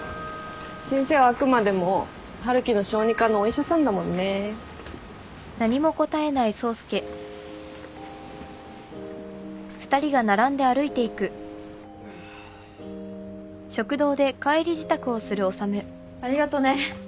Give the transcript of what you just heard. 先生はあくまでも春樹の小児科のお医者さんだもんね。ありがとね。